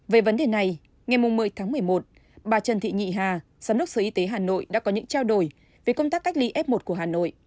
về vấn đề này ngày một mươi tháng một mươi một bà trần thị nhị hà giám đốc sở y tế hà nội đã có những trao đổi về công tác cách ly f một của hà nội